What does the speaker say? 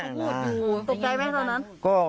ตกใจไหมเท่านั้น